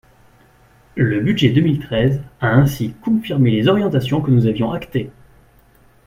Le budget deux mille treize a ainsi confirmé les orientations que nous avions actées.